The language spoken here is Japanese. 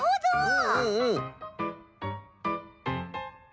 うんうんうん。